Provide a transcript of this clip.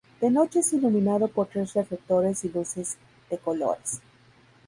De noche es iluminado por tres reflectores y luces de colores.